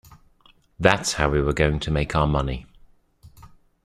That's how we were going to make our money.